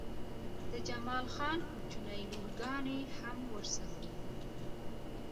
د جمال خان کوچنۍ لورګانې هم ورسره وې